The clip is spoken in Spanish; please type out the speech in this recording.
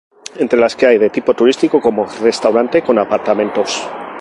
Entre las que hay de tipo turístico, como restaurante con apartamentos.